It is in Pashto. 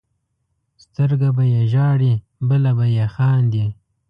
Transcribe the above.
سترګه به یې ژاړي بله به یې خاندي.